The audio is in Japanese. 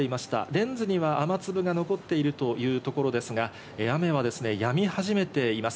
レンズには雨粒が残っているというところですが、雨はやみ始めています。